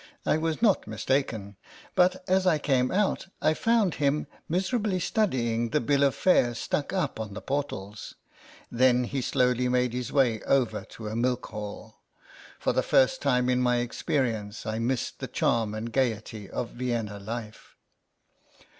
I was not mistaken, but as I came out I found him miserably studying the bill of fare stuck up on the portals. Then he slowly made his way over to a milk hall. For the first time in my experience I missed the charm and gaiety of Vienna life.